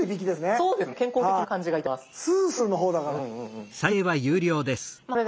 そうですね